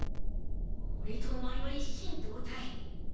俺とお前は一心同体。